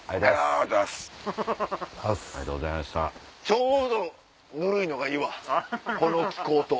ちょうどぬるいのがいいわこの気候と。